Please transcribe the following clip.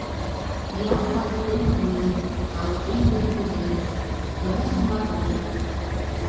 Пиал пагытемым илем, калыкем ден гӱрлен, Тыныс мландем.